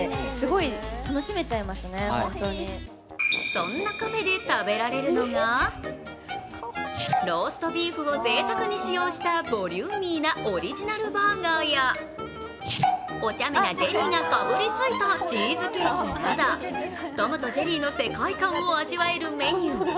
そんなカフェで食べられるのがローストビーフをぜいたくに使用したボリューミーなオリジナルバーガーやおちゃめなジェリーがかじりついたチーズケーキなど、トムとジェリーの世界観を味わえるメニュー。